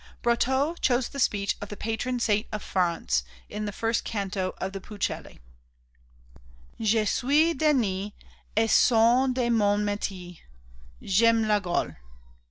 Brotteaux chose the speech of the patron saint of France in the first canto of the Pucelle: "Je suis Denis et saint de mon métier, J'aime la Gaule